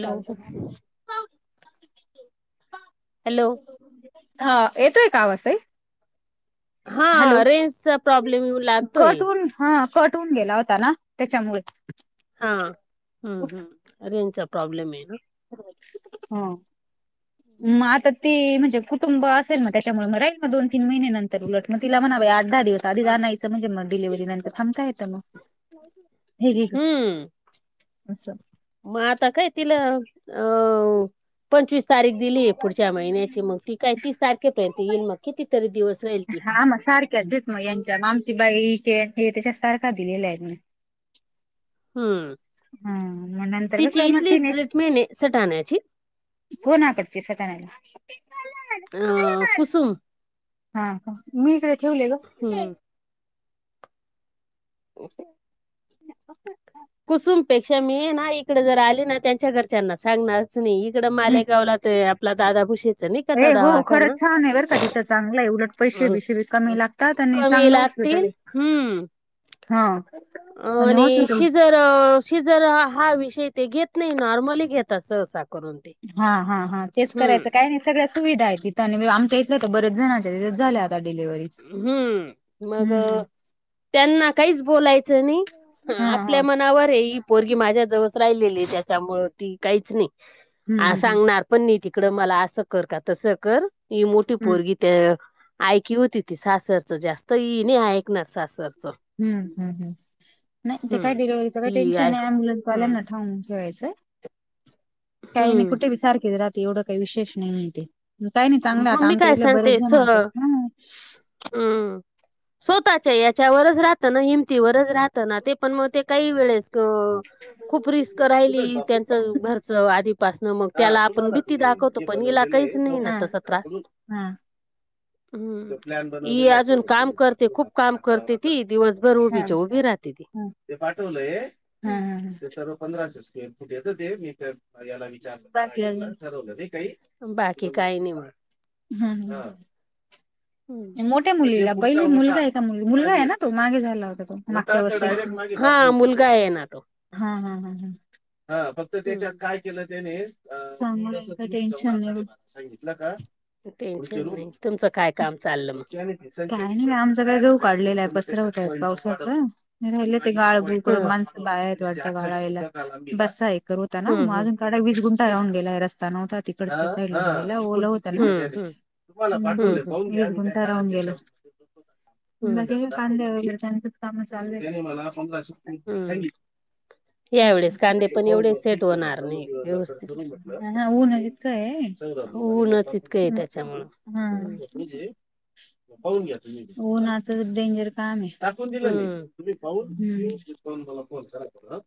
चालू हॅलो, शकते. हॅलो हा, येतोय का आवाज ताई? हा हॅलो रेंजचा प्रॉब्लेम येऊ लागतोय. कट होऊन हा कट होऊन गेला होता ना त्याच्यामुळे हा, हम्म-हम्म रेंजचा प्रॉब्लेम ये ना. हा. म आता ती म्हणजे कुटुंब असेल म त्याच्यामुळे मग राहील, म दोन -तीन महिने नंतर उलट मग तिला म्हणा बाई आठ दहा दिवस आधीच आणायचं म्हणजे म डिलिव्हरी नंतर थांबता येत मं, हे घे गं. असं म आता काय तिला अं पंचवीस तारीख दिलीये, पुढच्या महिन्याची मग ती काय तीस तारखेपर्यंत येईल, मग कितीतरी दिवस राहीले हा ना सार ख्याच ये मग यांच्या आमची बाई त्याच्या तारखा दिलेल्या आहे म हम्म, हा मग नंतर कसं तिची मग इथली तिने ट्रीटमेंन ये सटाण्याची. अ [unintelligible] कुसुम हा का, मी इकडे ठेवलेलेच, दे. हम्म [inaudible] कुसुमपेक्षा मी ये ना इकडे जर आली ना त्यांच्या घरच्यांना सांगणार च, नही इकडं मालेगावला ते आपला दादा भुषेच नाही का ए हो खरंच दवाखाना छान आहे बरं का तिथं चांगलं आहे उलट पैसे बिशे बी कमी लागतात आणि कमी चांगलं हॉस्पिटल लागतील, आहे. हम्म हा आणि आणि [unintelligible] शिजर शिजर हा विषय ते घेत नाही नॉर्मली घेततात सहसा. करून ते. हा-हा, हा तेच हम्म करायचं काय नाही. सगळ्या सुविधा आहेत तिथं, आणि आमच्या इथल्या तर बरेच जणच्या तिथंच झाल्या आता डिलिव्हरी. हम्म, मग अ त्यांना काहीच बोलायचं नाही, हं हा हा आपल्या मनावर ये इ पोरगी माझ्या जवळ राहिलेली ये, त्याच्यामुळे ती काहीच नाही हम्म आ हम्म हम्म. सांगणार. पण नाही तिकड मला असं कर का तसं कर, ही मोठी हम्म पोरगी ते आयकी होती. ती सासरचं जास्त, हि नाही ऐकणार सासरंच. हम्म- हम्म, नाही ते काय डिलेव्हीचं काही ही टेन्शन आहे. ये ते हम्म अम्ब्युलनसवाल्यांना सागून ठेवायचं ये. काई नाही हम्म. कुठेही सारखेच राहते एवढं काही विशेष नाये ते. काही नाही चांगलं मग आता मी आमच्या काय इथले बरेच सांगते जण स [inaudible] हम्म स्वतःच्या याच्यावरच राहत ना हिमतीवरच राहत. ना ते पण मग ते काही वेळेस अ. खूप रिस्क राहिली त्यांचं घरचं [inaudible] मग त्याला आपण भीती दाखवतो पण याला काहीच नाही ना. तसा त्रास. काकलून हा. हम्म. तो प्लॅन ही बनवलेला अजून काम [inaudible] करते, खूप काम करते दारात ती दिवसभर हा. उभीच्या उभी राहते ती. ते पाठवलंय हा हम्म. हा. ते सर्व पंधराशे स्क्वेअर फुट येतं ते मी याला विचारलंबाकी अणि ठरवलं. बाकी काही नाही मग. हम हम. हम्म. मोठ्या मुलीला पहिली मुलगा आहे का मुलगा आहे ना तो मागे झाला होता तो. मागच्या वर्षी हा मुलगा आहे ना तो. [inaudible] ह ह ह हा फक्त त्याच्यात हम्म. काय केलं त्याने. टेन्शन आलं [inaudible] टेन्शन नाही तुमचं काय काम चाललं मग. का नाही आमच काय गहू काढलेलं आहे पसरवत आहेत पावसाच राहिल ते. हं. माणसं बाहेर आहेत भरायला बसा हे करू त्यांना हं, हं. मगं [inaudible] काड वीस गुंट राहून गेलाय रस्ता नव्हता तिकड साईडला लई ओल हो- [unintelligible] हं, हं. हं, हं. हं, कांदे वगैरे चांगलेच काम चालू हं. आहे. यावेेळेस कांदे पण एवढे हो सेट तीच होणार नाही म्ह. व्यवस्थित [unintelligible] हा हा ऊनच इतका आहे. ऊनच इतकं आहे हम्म. त्याच्यामुळं हम्म म्हणजे पाहून घ्या तुम्ही उन्हाचं डेंजर काम आहे. टाकून दिलं मी हम्म तुम्ही पाहुन तून मला फोन करा.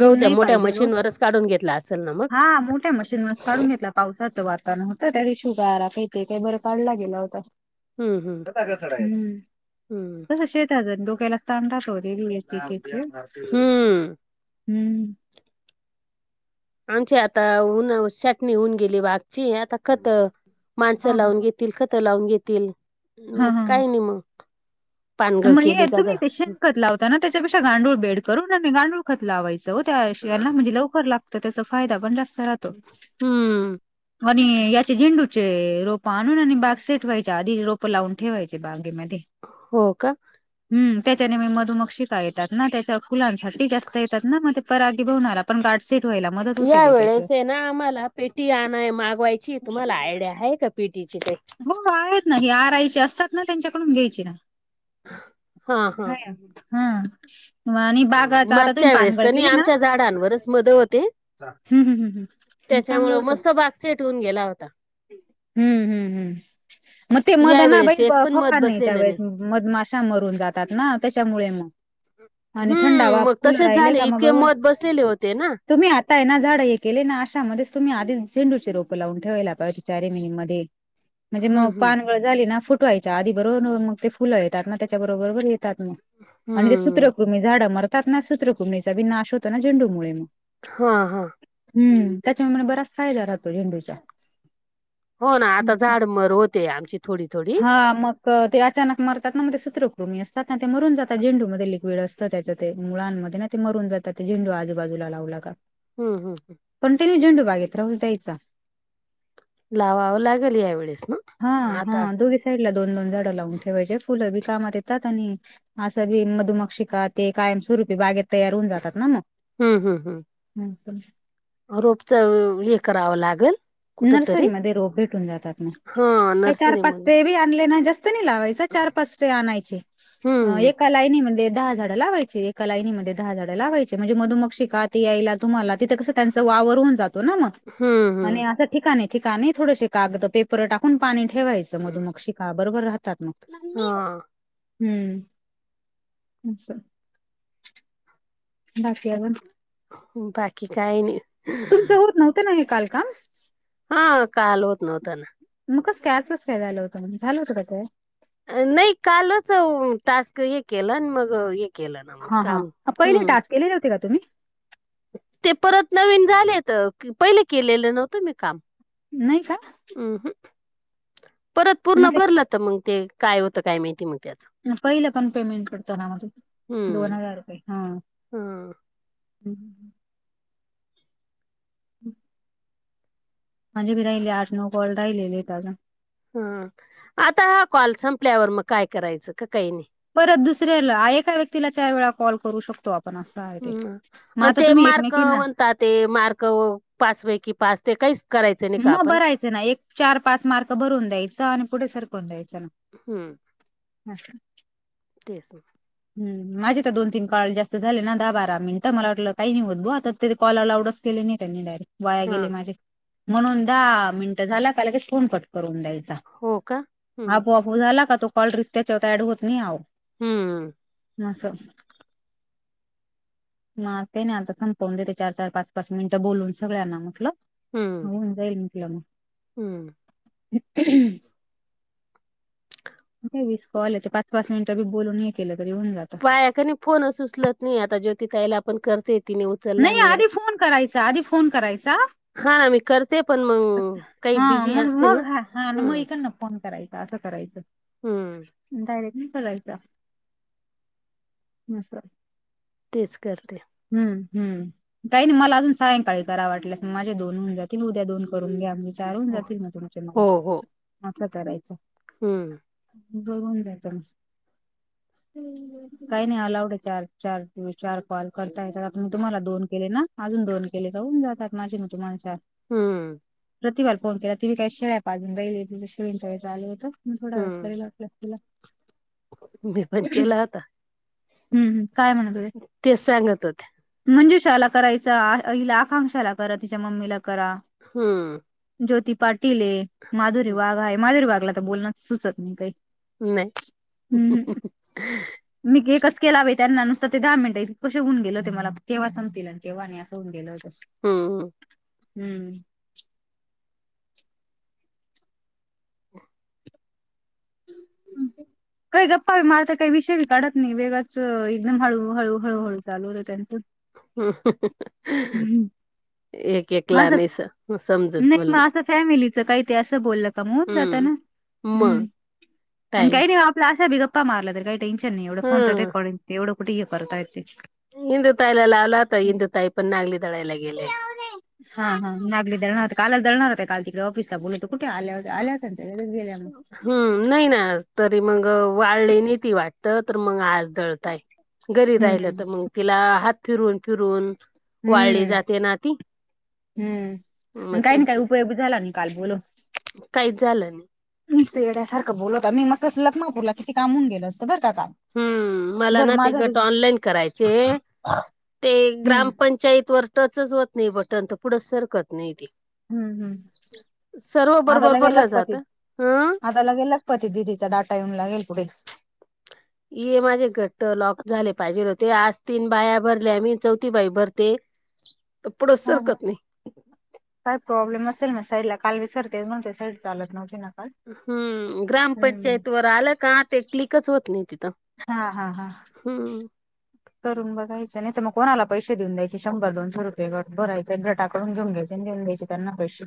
गहु द्या मोठ्या मशीनवरच काढून घेतला अस. हा मोठ्या मशीन वरच काढून घेतला. पावसाचं वातावरण होतं त्या शुगारा काही ते काही बर काढला गेला होता. हम्म हम्म हम हम्म तस शेत. डोक्याला तान तु केला तड हम्म हम्म. आमची आता ऊन चटणी होऊन गेली. वाघची आता खत हा माणसं हा लावून घेतील. तील खतं लावून घेतील हा मग हा हा. काय नाही मग. पानगळ मग ये केली का तुम्ही कश्या? तर त लावता ना त्याच्यापेक्षा गांडूळ बेड करून आणि गांडूळखत लावायचं हो त्या यांना म्हणजे लवकर लागत. त्याचा फायदा पण जास्त राहतो. हम्म आणि याचे झेंडूचे रोप आणून आणि बाग सेठवायचे आधी रोप लावून ठेवायचे बागेमध्ये. हो का. हम्म त्याच्याने म मधुमग शिका येतात ना त्याच्या फुलांसाठी जास्त येतात ना मग ते परागी बवणार. पण गाडस सेट व्हायला मदत होते या ब त्यात. वेळेस आहे ना आम्हाला पेटी आणय मागवायची तुम्हाला आयडिया आहे का पेटीची ते? हो आहेत नाही आरायची असतात ना त्यांच्याकडून घ्यायची ना. [unintelligible] हा हा आहे हा. आणि बागाचा आता तुम्ही मागच्या वेळेस पानगळ कनी केली ना? आमच्या झाडांवरच मध होते. हम्म, हम्म, हम्म म चांगलं त्याच्यामुळं वाट मस्त बाग सेट होऊन गेला होता हम्म, हम्म, हम्म मत या मदना बा वेळेस एक पण फवार मध नाही बसलेलं च मधमाशा मरून जातात ना त्याच्यामुळे मग आणि थंडा हम्म वा मग फुल तसेच राहिलय झाले का मग इतके बघ मध बसलेले होते ना. तुम्ही आत काई ना झाड हे केले ना अशामध्ये तुम्ही आधीच झेंडूचे रोपं लावून ठेवायला पाहि तिच्या रेमिंग मध्ये म्हणजे म हम्म हम्म पान झाली ना फुटवायच्या आधी बरोबर मग ते फुलं येतात ना त्याच्या बरोबर येतात मग आणि ते हम्म सूत्रकृमी झाडं मरतात ना सूत्रकृमीचा विनाश होतो ना झेंडूमुळे मग ह, ह हम्म त्याच्यामुळे बराच फायदा राहतो झेंडूचा हो ना आता झाड मर होते आमची थोडी, थोडी हा मग ते अचानक मरतात ना मग ते सूत्रकृमी असतात ना ते मरून जात झेंडूमध्ये लिक्विड असतं त्याच्या ते मुळांमध्ये ते मरून जात झेंडू आजूबाजूला लावला का हम्म, हम्म पण तुम्ही झेंडू बागेत राहूच द्यायचा लावावं लागेल यावेेळेस मग हा, हा दोघे साईड ला दोन, दोन झाडं लावून ठेवायचे फुलं बी कामात येतात आणि असं बी मधुमक्षिका ते कायम स्वरूपी बागेत तयार होऊन जातात ना मग हम्म हम्म हम्म [unintelligible] रोपच हे करावं लागल नर्सरीमध्ये रोप भेटून जातात ना हा काही चार नर्सरी पाच मधून ट्रे बी आणले ना जास्त नाही लावायचा चार, पाच ट्रे आणायचे एक हम्म एका लाईनीमध्ये दहा झाडं लावायचे एका लायनीमध्ये दहा झाडं लावायचे म्हणजे मधुमक्षिका शिकात ते यायला तुम्हाला तिथ कस त्यांच वावर होउन जातो ना मग हम्म आणि हम्म अस नाही ठिकाणी, ठिकाणी थोडसे कागद पेपर टाकून पाणी ठेवायचं मधुमकशिका बरोबर राहतात मग ह हम्म असं बाकी आजुन बाकी काही नाही क नाही काल का हा काल होत नव्हता ना मग कस काय आज कस काय झाल होतं झालं होतं काय नाही कालच टास्क हे केला आण मग हे केलं ना मग काम हम्म केली नव्हत का तुम्ही ते परत नवीन झालेत पहिले केलेलं नव्हतं मी काम नाही का हम ह परत मग पूर्ण ते भरलं तर मग ते काय होतं काय माहिती मग त्यात पहिलं पण पेमेंट करतो ना म तु दोन हम्म हजार रुपये हा ह [inaudible] [inaudible] माझे बी राहिले आठ, नऊ कॉल राहिलेलेत अजून हम आता हा कॉल संपल्यावर मग काय करायचं का? काही नाही परत दुसऱ्याला एका व्यक्तीला चार वेळा कॉल करू शकतो आपण असं आहे ते हम मग आणि आता ते तुम्ही मार्क एकमेकींना म्हणतात ते मार्क पाच पैकी पाच ते काहीच करायचं नाही का मग आपण भरायचं ना एक चार पाच मार्क भरवून द्यायचं आणि पुढे सरकून द्यायचं ना हम्म हम तेच ना हं माझे तर दोन तीन काॅल जास्त झाले ना दहा बारा मिनिटं मला वाटलं काही नाही होत ब आता त ते कॉल अलाउड असं केले नाई त्यानी डायरेक्ट वाया हा गेले माझे म्हणून दहा मिनटं झाला का लगेच फोन कट करून द्यायचा हो का? हम हो झाला का तो कॉल रि त्याच्यात ऍड होत नाही अव हम्म अस मा त्याने संपवून देते चार चार पाच पाच मिनिटं बोलून सगळ्यांना म्हटलं हम्म होऊन जाईल म्हंटल मग हम्म [unintelligible] किती वीस कॉल याचे पाच पाच मिनिट बोलून हे केलं तरी होऊन जात. बाय का नाई फोनच ऊचलत नाही आता जोती ताईला पण करते तिने उचलला नाही आधी फोन करायचा आधी फोन करायचा हा ना मी करते पण [inaudible] मग काही हा बिझी मग असतील ना. मग ह हा मग हम्म इकांना फोन करायच असं करायचं हम्म डायरेक्ट नाय करायचा आसं तेच करते हम्म हम्म काही नाही मला अजून सायंकाळी करा वाटल्यास माझे दोन होऊन जातील उद्या दोन करून घ्या चार होऊन हो जातील तुमचे मला हो हो. असं करायचं हम्म [unintelligible] जायच मग काही नाही अलाउड आहे चार चार चार कॉल. करताय का अजून तुम्हाला दोन केले ना अजून दोन केलेत होऊन जातात माझे ना तुम्हाला चार हम्म प्रतिभाला फोन केला ती मी काय शेळ्या पाजून राहीली शेळीं व आललं होतं मग थोडा हम्म [unintelligible] केला मी पण केला होता. हम्म हम्म काय म्हणत होते? तेच सांगत होते. मंजुशाला करायचा आ हिला आकांक्षाशाला करा तिच्या मम्मीला करा हम्म ज्योती पाटील आहे माधुरी वाघ आहे माधुरी वाघला तर बोलणं सुचत नाही काही हम्म नाही मी एकच केला बाई त्यांना नुसत ते दहा मिनट कसे होऊन गेलते मला केव्हा संपतील आणि केव्हा नाही असं होऊन गेल होत हम्म. हम्म. काही गप्पा बी मारत काही विषय बी काढत नाही वेगळाच एकदम हळू हळू हळू हळू चालू होतं त्यांचं. एक एक ला माझं नही स नाही मग अस फॅमिलीच काही ते अस बोलल त मग होऊन जाता ना. हम्म मग हम्म, टाईम काही नाही हो आपला अशा बि गप्पा मारल्या तर काही टेन्शन नाही एवढ हा फोन तर रेकॉर्डिंग, ते एवढ कुठे हे करताय ते. इंदू ताईला लावला होता. इंदू ताई पण नागली दळायला गेल्याय. हा हा नागली दळणार होत्या, कालच दळणार होत्या. काल तिकडे ऑफिसला बोलवल कुठे आल्या होत्या. आल्या होत्या ना त्या लगेच गेल्या मग. हम्म, नाही ना आज, तरी मग वाळली नाही ती वाटत तर मग आज दळताय. घरी हम्म राहिल हम्म तर मग तिला हात फिरून फिरून वाळली हम्म जाते ना ती मग हम्म, काही ती नाही काही उपयोग बी झाला नही काल बोलवून. काहीच झाल नही. नुसता येड्यासारख बोलवता. नी मग कस लखनापूरला किती काम होऊन गेल असत बर का काम. हम्म मला ना ते गट ऑनलाईन करायचेय. ते हम्म ग्रामपंचा च्याइत वर टच होत नाही बटन तर पुढच सरकत नाही ते. हम्म हम्म सर्व आता बरोबर लगे भरल लखपती जात. ह आता लगेलग प ती दिदीचा डाटा येऊ लागेल पुढे. ये माझे घट्ट लॉक झाले पाहिजेल होते. आज तीन बाया भरल्या मी. चौथी बाई भरते. [inaudible] तर पुढच हा सरकत नाही. काय प्रॉब्लेम असेल ना साईडला. काल बी सर तेच म्हटले, साईड चालत नव्हती ना काल. हम्म हम्म ग्रामपंचायत वर आल का ते क्लिकच होत नाही तिथ. हा हा हा हम्म करून बघायच. नाही तर मग कोणाला पैसे देऊ द्यायचे शंभर दोनशे रुपये गट भरायचे. गटाकडून घऊन घ्यायचे आणि देऊन द्यायचे. त्यांना पैसे.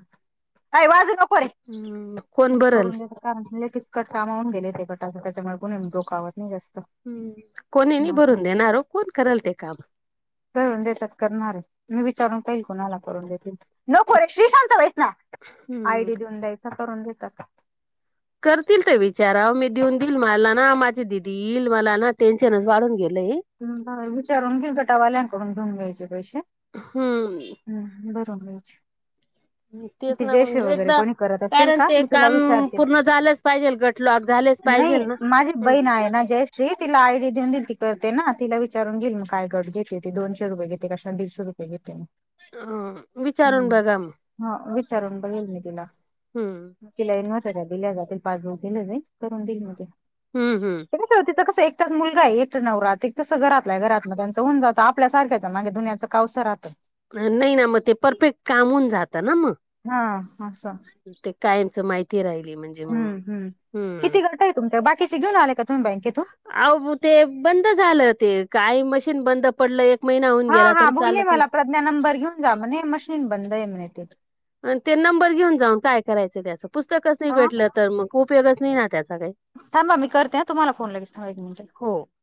अय वाजू न हम्म कोण भरल करून देते थांब. लई किचकट काम होवून गेले ते कट त्याच्यामुळे कोणी डोकावत नाही जास्त. हम्म कोणी नाही अस भरून देणार हो कोण करल ते काम. करून देतात करणारे. मी विचारून पाईल कुणाला करून देतील तर. नको रे श्री शांत बईस ना. हम्म. आयडी देऊन द्यायचा करून देतात. करतील ते विचार. अव मी देऊन देईल मला ना माझे दिदी येईल मला ना टेन्शनच वाढून गेलय. विचारुन घेईल, गटावाल्यांकडून घेऊन घ्यायचे पैसे. हम्म हम्म, भरून द्यायचे. तेच ती ना जयश्री मग वगैरे एकदा कोणी करत असेल कारण का? ते मी तिला काम विचारते. पूर्ण झालंच पाहिजेल गट लॉक झालेच पाहिजेल नाही ना. माझी हम्म बहीण आहे ना जयश्री, तिला आयडी देऊन देईल ती कर ते ना तिला विचारून घेईन मग काय घेते ते दोनशे रुपये घेते का दीडशे रुपय घेते. अ विचारून मग बघा मग. हा विचारून बघेल मी तिला. हम्म तिला इन्व्हर्टर दिल्या जातील. पासबुक दिल जाईल. करून दिल मी ते. हम्म हम्म कस हो तीच कस आहे एकटच मुलगा आहे. एकट नवरात ते कस घरातल्या घरात त्यांच होऊन जात. आपल्यासारख्याच्या मागे दुन्याच कावस राहत. नाही ना मग ते परफेक्ट काम होऊन जात ना म. ह अस. ते कायमच माहिती राहिले म्हणे, ह ह. किती गट आहे तुमच्या. बाकीचे घेऊन आले का तुम्ही बँकेतून? अहो ते बंद झालं ते. काही मशीन बंद पडलंय. एक महिना होऊन हा गेला हा तरी बोलली चालत नाही. मला प्रज्ञा नंबर घेऊन जा म्हणे आणि मशीन बंद आहे म्हणे ते. ते नंबर घेऊन जाऊन काय करायचं त्याचं. पुस्तकच नाही हा भेटलं तर मग उपयोगच नाही ना त्याचा काय. थांबा मी करते हा तुम्हाला फोन लगेच थांबा एक मिनिट. हो